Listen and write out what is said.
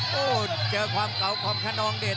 โอ้โหเจอความเก่าของคนนองเดช